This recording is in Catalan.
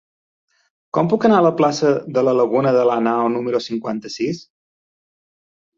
Com puc anar a la plaça de la Laguna de Lanao número cinquanta-sis?